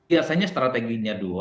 biasanya strateginya duo